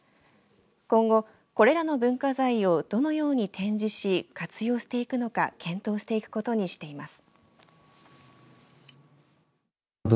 今後、これらの文化財をどのように展示し活用していくのか検討していくことにしています。